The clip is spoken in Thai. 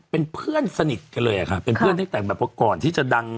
เป็นเพื่อนสนิทกันเลยอะค่ะเป็นเพื่อนตั้งแต่แบบว่าก่อนที่จะดัง